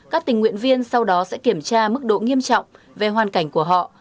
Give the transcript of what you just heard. các tình nguyện viên sau đó sẽ kiểm tra mức độ nghiêm trọng về hoàn cảnh của họ